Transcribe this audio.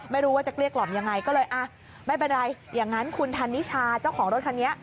ไม่รู้ว่าจะเกลี้ยกล่อมยังไงก็เลยอ่ะไม่เป็นไรอย่างนั้นคุณธันนิชาเจ้าของรถคันนี้